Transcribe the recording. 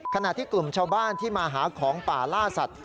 ขณะที่กลุ่มชาวบ้านที่มาหาของป่าล่าสัตว